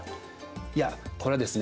いやこれはですね